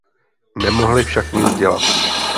Nemohli však nic dělat.